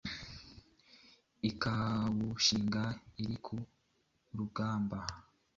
ikawushinga iri ku rugamba